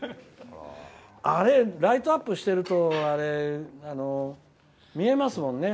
ライトアップしてると見えますもんね。